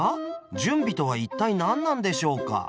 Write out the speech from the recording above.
準備とは一体何なんでしょうか？